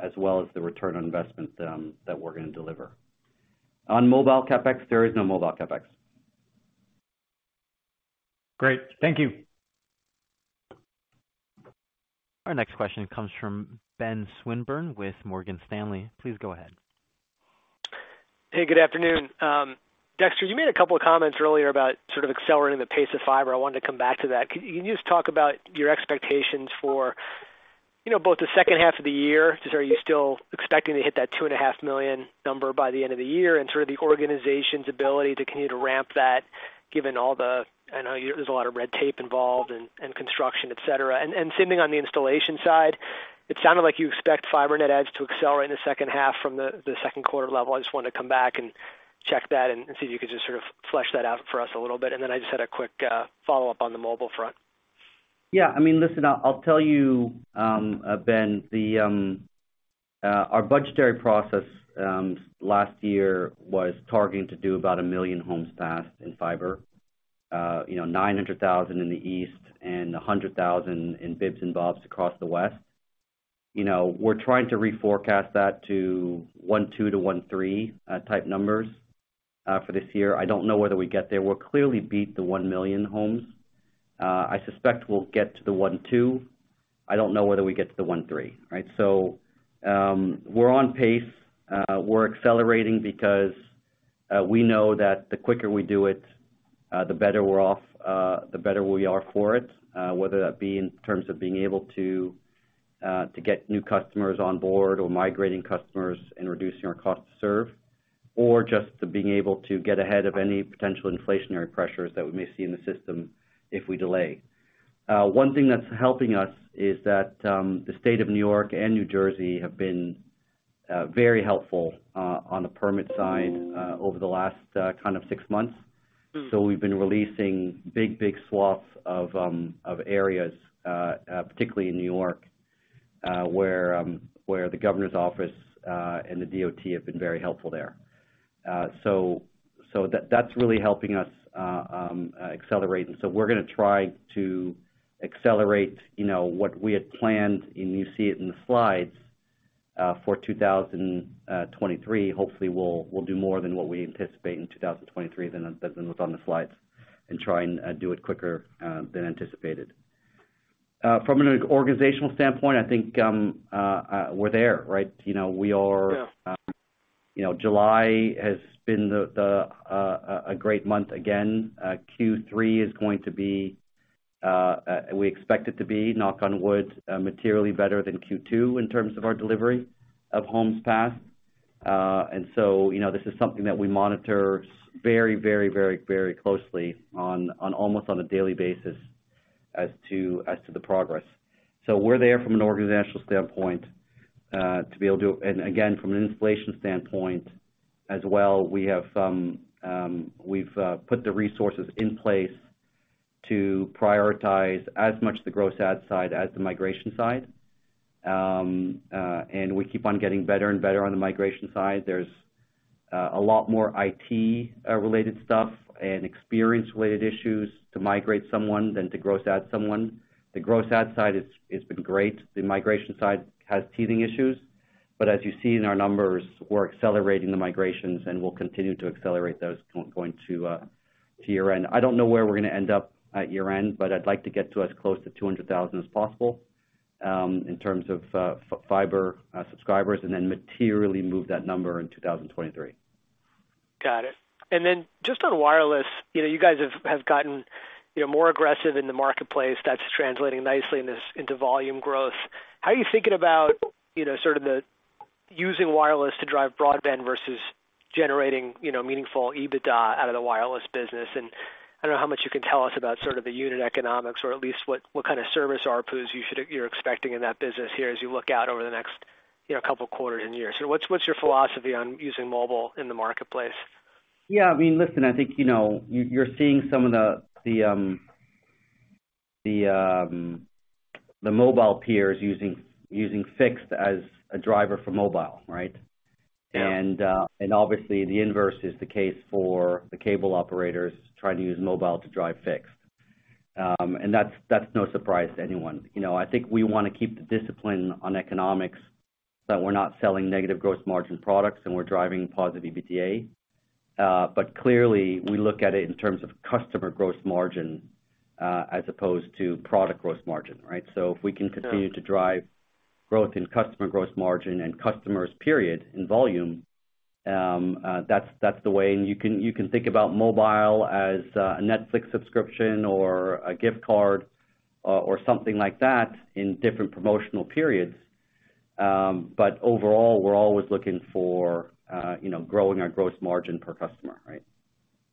as well as the return on investment that we're gonna deliver. On mobile CapEx, there is no mobile CapEx. Great. Thank you. Our next question comes from Ben Swinburne with Morgan Stanley. Please go ahead. Hey, good afternoon. Dexter, you made a couple of comments earlier about sort of accelerating the pace of fiber. I wanted to come back to that. Can you just talk about your expectations for, you know, both the second half of the year? Are you still expecting to hit that 2.5 million number by the end of the year? Sort of the organization's ability to continue to ramp that, given all the, I know there's a lot of red tape involved and construction, et cetera. Same thing on the installation side. It sounded like you expect fiber net adds to accelerate in the second half from the second quarter level. I just wanted to come back and check that and see if you could just sort of flesh that out for us a little bit. I just had a quick, follow-up on the mobile front. Yeah, I mean, listen, I'll tell you, Ben, our budgetary process last year was targeting to do about 1 million homes passed in fiber, you know, 900,000 in the East and 100,000 in bits and bobs across the West. You know, we're trying to reforecast that to 1.2 to 1.3 type numbers for this year. I don't know whether we'll get there. We'll clearly beat the 1 million homes. I suspect we'll get to the 1.2. I don't know whether we get to the 1.3, right? We're on pace. We're accelerating because we know that the quicker we do it, the better we're off, the better we are for it, whether that be in terms of being able to get new customers on board or migrating customers and reducing our cost to serve, or just being able to get ahead of any potential inflationary pressures that we may see in the system if we delay. One thing that's helping us is that the state of New York and New Jersey have been very helpful on the permit side over the last kind of six months. We've been releasing big swaths of areas, particularly in New York, where the governor's office and the DOT have been very helpful there. That's really helping us accelerate. We're gonna try to accelerate what we had planned, and you see it in the slides for 2023. Hopefully we'll do more than what we anticipate in 2023 than what's on the slides and try and do it quicker than anticipated. From an organizational standpoint, I think we're there, right? You know, we are. Yeah. You know, July has been a great month again. Q3 is going to be, we expect it to be, knock on wood, materially better than Q2 in terms of our delivery of homes passed. You know, this is something that we monitor very closely, almost on a daily basis as to the progress. We're there from an organizational standpoint to be able to. Again, from an installation standpoint as well, we've put the resources in place to prioritize as much the gross add side as the migration side. We keep on getting better and better on the migration side. There's a lot more IT related stuff and experience related issues to migrate someone than to gross add someone. The gross add side it's been great. The migration side has teething issues. As you see in our numbers, we're accelerating the migrations, and we'll continue to accelerate those going to year-end. I don't know where we're gonna end up at year-end, but I'd like to get to as close to 200,000 as possible, in terms of fiber subscribers and then materially move that number in 2023. Got it. Then just on wireless, you know, you guys have gotten, you know, more aggressive in the marketplace. That's translating nicely in this into volume growth. How are you thinking about, you know, sort of the using wireless to drive broadband versus generating, you know, meaningful EBITDA out of the wireless business? I don't know how much you can tell us about sort of the unit economics or at least what kind of service ARPU you're expecting in that business here as you look out over the next, you know, couple quarters and years. What's your philosophy on using mobile in the marketplace? Yeah, I mean, listen, I think, you know, you're seeing some of the mobile peers using fixed as a driver for mobile, right? Yeah. Obviously the inverse is the case for the cable operators trying to use mobile to drive fixed. That's no surprise to anyone. You know, I think we wanna keep the discipline on economics, that we're not selling negative gross margin products and we're driving positive EBITDA. Clearly, we look at it in terms of customer gross margin, as opposed to product gross margin, right? Yeah. If we can continue to drive growth in customer gross margin and customers, period, in volume, that's the way. You can think about mobile as a Netflix subscription or a gift card or something like that in different promotional periods. Overall, we're always looking for, you know, growing our gross margin per customer, right?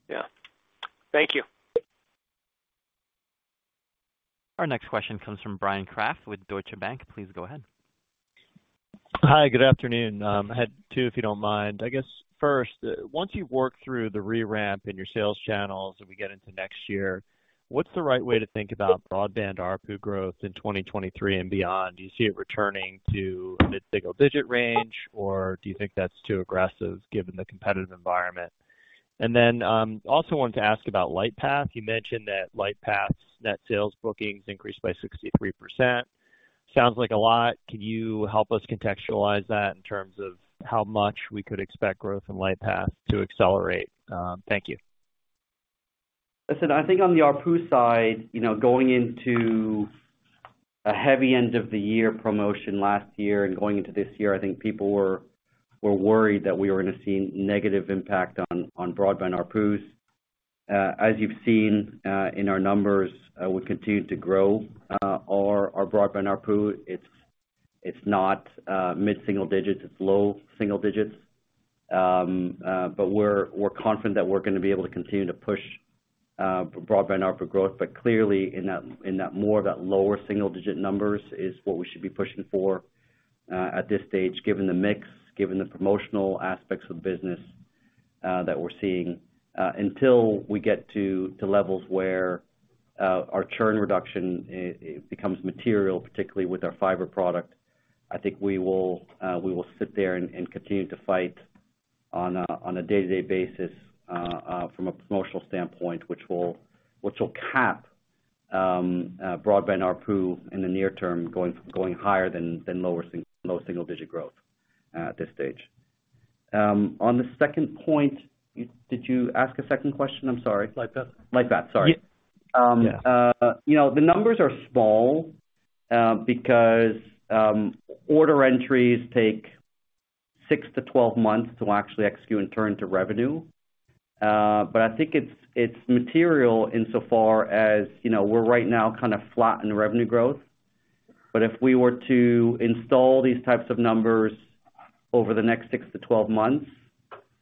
Yeah. Thank you. Our next question comes from Bryan Kraft with Deutsche Bank. Please go ahead. Hi, good afternoon. I had two, if you don't mind. I guess first, once you work through the re-ramp in your sales channels as we get into next year, what's the right way to think about broadband ARPU growth in 2023 and beyond? Do you see it returning to mid-single digit range, or do you think that's too aggressive given the competitive environment? Also wanted to ask about Lightpath. You mentioned that Lightpath's net sales bookings increased by 63%. Sounds like a lot. Can you help us contextualize that in terms of how much we could expect growth in Lightpath to accelerate? Thank you. Listen, I think on the ARPU side, you know, going into a heavy end of the year promotion last year and going into this year, I think people were worried that we were gonna see negative impact on broadband ARPUs. As you've seen in our numbers, we continue to grow our broadband ARPU. It's not mid-single digits, it's low single digits. But we're confident that we're gonna be able to continue to push broadband ARPU growth. But clearly in that more of that lower single digit numbers is what we should be pushing for at this stage, given the mix, given the promotional aspects of the business that we're seeing. Until we get to levels where our churn reduction it becomes material, particularly with our fiber product, I think we will sit there and continue to fight on a day-to-day basis from a promotional standpoint, which will cap broadband ARPU in the near term, going higher than lower single digit growth at this stage. On the second point, did you ask a second question? I'm sorry. Lightpath. Lightpath. Sorry. Yeah. You know, the numbers are small because order entries take six to 12 months to actually execute and turn to revenue. I think it's material insofar as, you know, we're right now kinda flat in revenue growth. If we were to install these types of numbers over the next six to 12 months,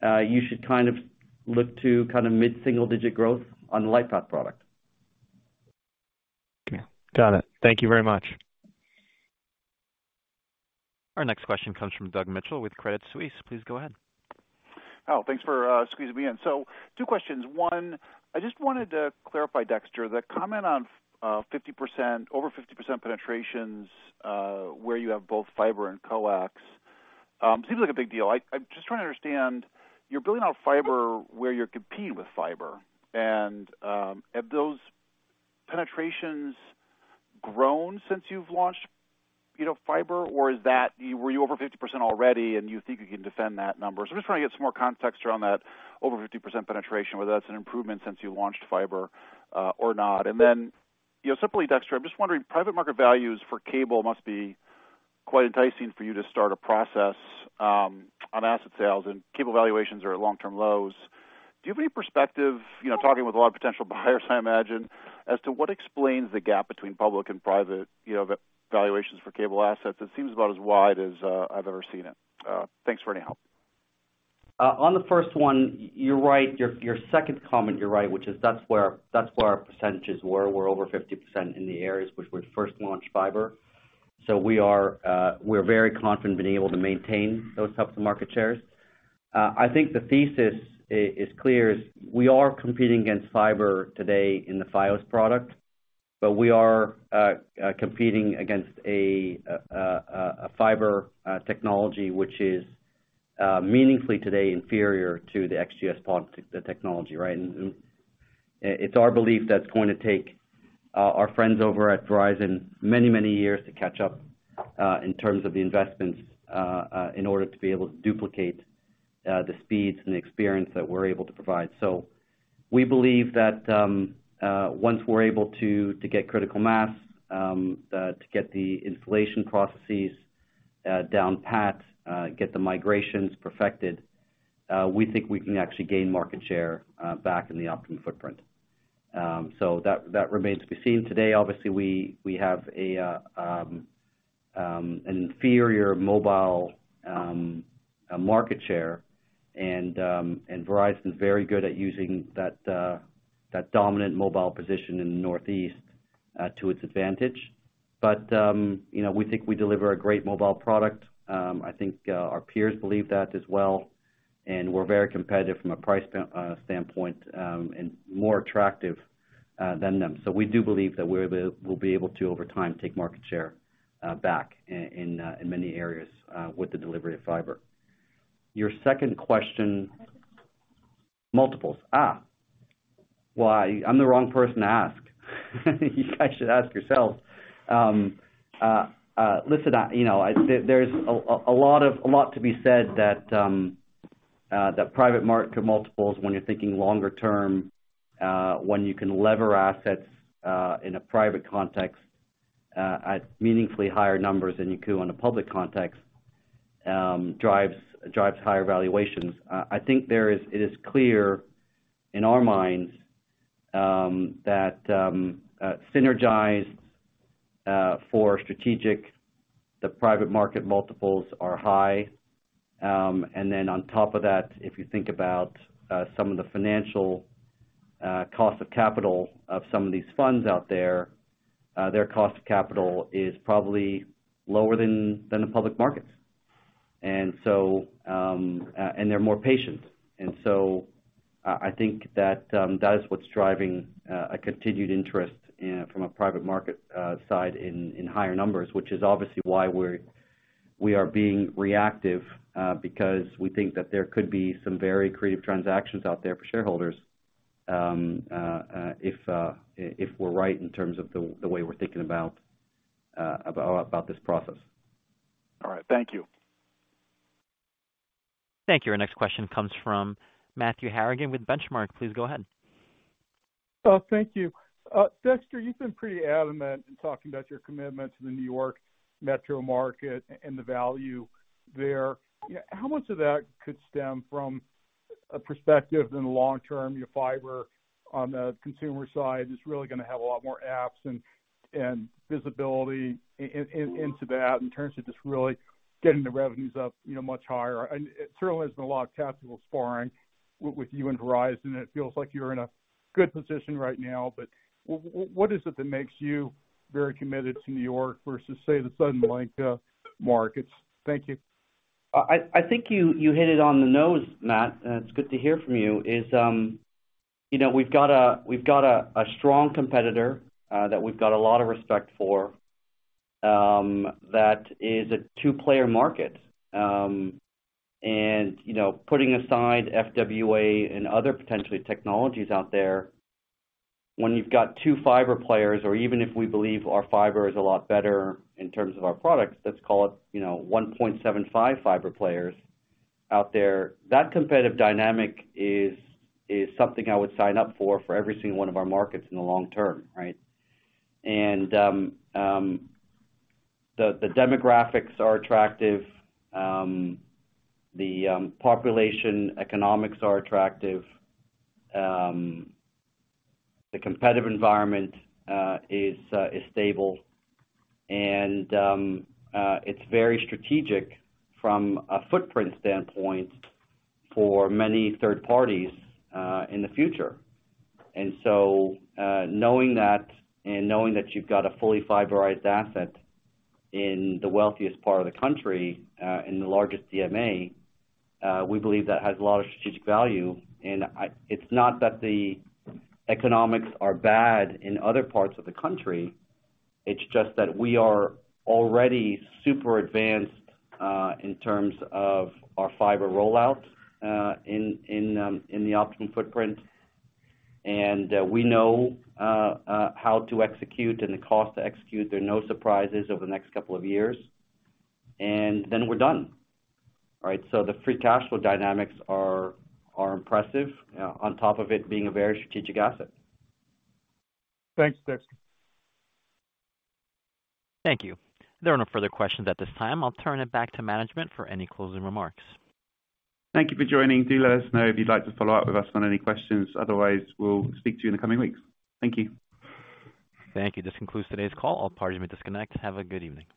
you should kind of look to kinda mid-single digit growth on the Lightpath product. Okay. Got it. Thank you very much. Our next question comes from Doug Mitchelson with Credit Suisse. Please go ahead. Oh, thanks for squeezing me in. Two questions. One, I just wanted to clarify, Dexter, the comment on over 50% penetrations where you have both fiber and coax seems like a big deal. I'm just trying to understand, you're building out fiber where you're competing with fiber, and have those penetrations grown since you've launched, you know, fiber? Or were you over 50% already and you think you can defend that number? I'm just trying to get some more context around that over 50% penetration, whether that's an improvement since you launched fiber or not. You know, simply, Dexter, I'm just wondering, private market values for cable must be quite enticing for you to start a process on asset sales and cable valuations are at long-term lows. Do you have any perspective, you know, talking with a lot of potential buyers, I imagine, as to what explains the gap between public and private, you know, valuations for cable assets? It seems about as wide as I've ever seen it. Thanks for any help. On the first one, you're right. Your second comment, you're right, which is that's where our percentages were. We're over 50% in the areas which we first launched fiber. So we're very confident being able to maintain those types of market shares. I think the thesis is clear, we are competing against fiber today in the Fios product, but we are competing against a fiber technology which is meaningfully today inferior to the XGS-PON technology, right? It's our belief that it's going to take our friends over at Verizon many years to catch up in terms of the investments in order to be able to duplicate the speeds and the experience that we're able to provide. We believe that once we're able to get critical mass, get the installation processes down pat, get the migrations perfected, we think we can actually gain market share back in the Optimum footprint. That remains to be seen. Today, obviously, we have an inferior mobile market share and Verizon is very good at using that dominant mobile position in the Northeast to its advantage. You know, we think we deliver a great mobile product. I think our peers believe that as well. We're very competitive from a price standpoint and more attractive than them. We do believe that we'll be able to, over time, take market share back in many areas with the delivery of fiber. Your second question. Multiples. Well, I'm the wrong person to ask. You guys should ask yourselves. Listen, you know, I'd say there's a lot to be said that private market multiples when you're thinking longer term, when you can leverage assets in a private context at meaningfully higher numbers than you could on a public context, drives higher valuations. I think it is clear in our minds that synergies for strategic the private market multiples are high. On top of that, if you think about some of the financial cost of capital of some of these funds out there, their cost of capital is probably lower than the public markets. They're more patient. I think that that is what's driving a continued interest from a private market side in higher numbers, which is obviously why we are being reactive because we think that there could be some very creative transactions out there for shareholders, if we're right in terms of the way we're thinking about this process. All right. Thank you. Thank you. Our next question comes from Matthew Harrigan with Benchmark. Please go ahead. Oh, thank you. Dexter, you've been pretty adamant in talking about your commitments in the New York metro market and the value there. You know, how much of that could stem from a perspective in the long term, your fiber on the consumer side is really gonna have a lot more apps and visibility into that in terms of just really getting the revenues up, you know, much higher? It certainly has been a lot of capital spending with you and Verizon. It feels like you're in a good position right now, but what is it that makes you very committed to New York versus, say, the Suddenlink markets? Thank you. I think you hit it on the nose, Matt, and it's good to hear from you. You know, we've got a strong competitor that we've got a lot of respect for that is a two-player market. You know, putting aside FWA and other potential technologies out there, when you've got two fiber players or even if we believe our fiber is a lot better in terms of our products, let's call it, you know, 1.75 fiber players out there. That competitive dynamic is something I would sign up for for every single one of our markets in the long term, right? The demographics are attractive. The population economics are attractive. The competitive environment is stable. It's very strategic from a footprint standpoint for many third parties in the future. Knowing that you've got a fully fiberized asset in the wealthiest part of the country in the largest DMA, we believe that has a lot of strategic value. It's not that the economics are bad in other parts of the country, it's just that we are already super advanced in terms of our fiber rollout in the Optimum footprint. We know how to execute and the cost to execute. There are no surprises over the next couple of years. Then we're done. Right? The free cash flow dynamics are impressive on top of it being a very strategic asset. Thanks, Dexter. Thank you. There are no further questions at this time. I'll turn it back to management for any closing remarks. Thank you for joining. Do let us know if you'd like to follow up with us on any questions. Otherwise, we'll speak to you in the coming weeks. Thank you. Thank you. This concludes today's call. All parties may disconnect. Have a good evening.